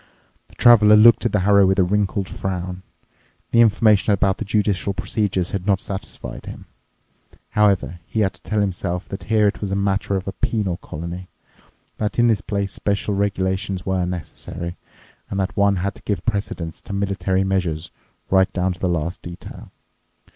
The Traveler looked at the harrow with a wrinkled frown. The information about the judicial procedures had not satisfied him. However, he had to tell himself that here it was a matter of a penal colony, that in this place special regulations were necessary, and that one had to give precedence to military measures right down to the last detail.